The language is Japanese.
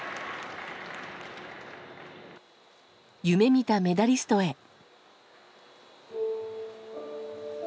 夢見たメダリストへ。